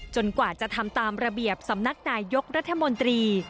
กว่าจะทำตามระเบียบสำนักนายยกรัฐมนตรี